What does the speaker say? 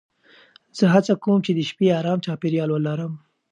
زه هڅه کوم چې د شپې ارام چاپېریال ولرم.